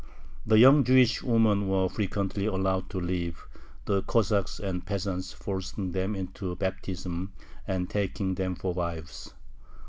The young Jewish women were frequently allowed to live, the Cossacks and peasants forcing them into baptism and taking them for wives.